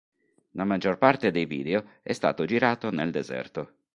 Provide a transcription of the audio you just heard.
La maggior parte dei video è stato girato nel deserto.